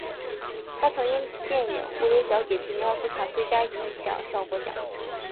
他曾因电影蝴蝶小姐提名奥斯卡最佳音响效果奖。